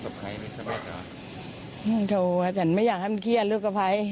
ไม่โทรฉันไม่อยากให้มันเครียดลูกอภัย